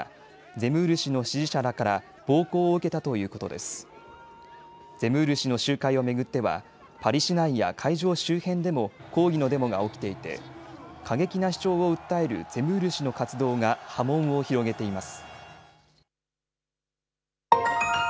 ゼムール氏の集会を巡ってはパリ市内や会場周辺でも抗議のデモが起きていて過激な主張を訴えるゼムール氏の活動が波紋を広げています。